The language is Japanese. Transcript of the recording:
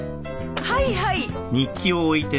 はいはい。